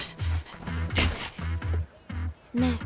ねえ。